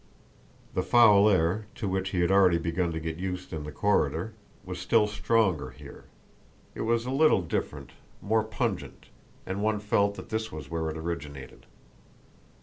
The foul air, to which he had already begun to get used in the corridor, was still stronger here. It was a little different, more pungent, and one felt that this was where it originated.